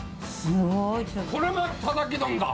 すごい。